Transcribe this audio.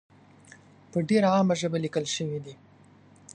په ډېره عامه ژبه لیکل شوې دي.